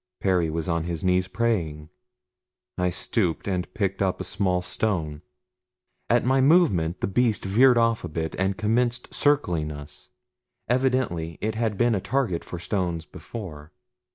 Perry was on his knees, praying. I stooped and picked up a small stone. At my movement the beast veered off a bit and commenced circling us. Evidently it had been a target for stones before.